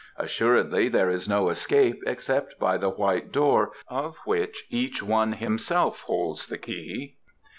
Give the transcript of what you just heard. Assuredly there is no escape except by the White Door of which each one himself holds the key."